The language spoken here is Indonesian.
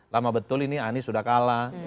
lama betul ini anies sudah kalah